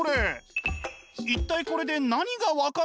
一体これで何が分かるの？